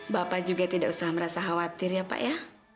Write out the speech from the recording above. bapak juga tidak usah merasa khawatir ya pak ya